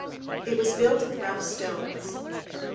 It was built of rough stones.